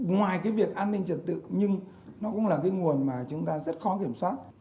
ngoài cái việc an ninh trật tự nhưng nó cũng là cái nguồn mà chúng ta rất khó kiểm soát